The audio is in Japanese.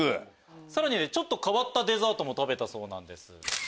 さらにちょっと変わったデザートも食べたそうなんです。